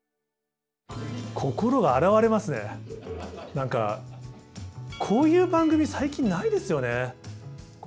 何かこういう番組最近ないですよね。